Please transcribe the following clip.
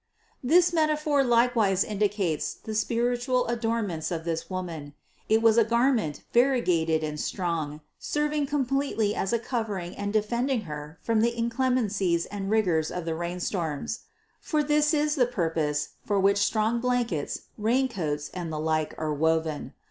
This metaphor likewise indicates the spiritual adornments of this Woman ; it was a garment variegated and strong, serving completely as a covering and defending Her from the inclemencies and rigors of the rainstorms; for this is the purpose, for which strong blankets, raincoats and the like are woven.